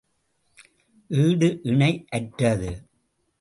ஈடு இணை அற்றது.